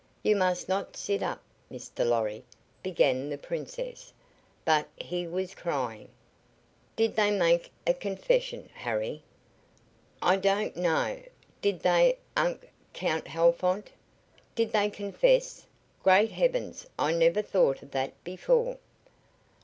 "You must not sit up, Mr. Lorry," began the Princess, but he was crying: "Did they make a confession, Harry?" "I don't know. Did they, Unc Count Halfont? Did they confess? Great heavens, I never thought of that before."